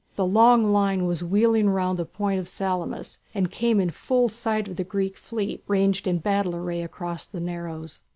The long line was wheeling round the point of Salamis, and came in full sight of the Greek fleet ranged in battle array across the narrows.